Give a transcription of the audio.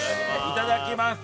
いただきます。